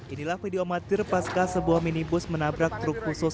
inilah video mati repaska sebuah minibus menabrak truk khusus